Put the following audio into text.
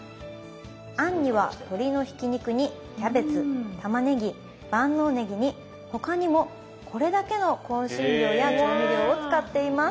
餡には鶏のひき肉にキャベツたまねぎ万能ねぎに他にもこれだけの香辛料や調味料を使っています。